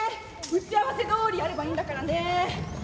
打ち合わせどおりやればいいんだからね。